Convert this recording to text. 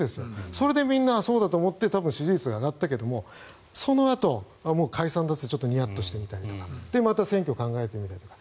それで、みんなはそうだと思って多分、支持率が上がったけどそのあと解散でちょっとニヤッとしてみたりだとかまた選挙を考えてみたりだとか。